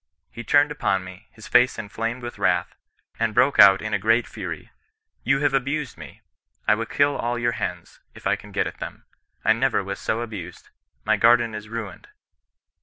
He turned upon me, his face inflamed with wrath, and broke out in a great fury —* You have abused me. I will kill all your hens, if I can get at them. I never was so abused. My garden is ruined.'